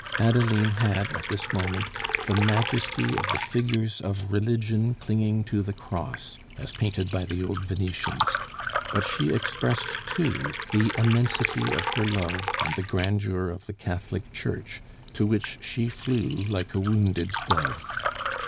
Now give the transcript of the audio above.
Adeline had, at this moment, the majesty of the figures of Religion clinging to the Cross, as painted by the old Venetians; but she expressed, too, the immensity of her love and the grandeur of the Catholic Church, to which she flew like a wounded dove.